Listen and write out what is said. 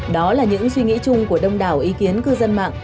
đó là những suy nghĩ chung của đông đảo ý kiến cư dân mạng